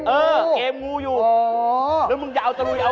เออเกมงูอยู่หรือมึงอย่าเอาตะลุยอวกาศ